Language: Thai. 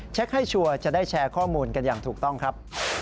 ให้ชัวร์จะได้แชร์ข้อมูลกันอย่างถูกต้องครับ